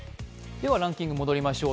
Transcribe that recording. ランキング戻りましょう。